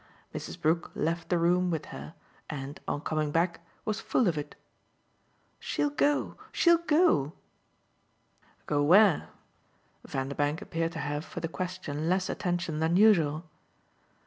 Mrs. Brook left the room with her and, on coming back, was full of it. "She'll go, she'll go!" "Go where?" Vanderbank appeared to have for the question less attention than usual.